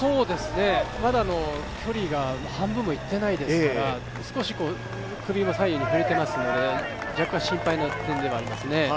まだ距離が半分もいっていないですから、少し首も左右に振れていますので若干心配な点ではありますね。